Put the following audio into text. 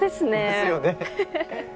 ですよね。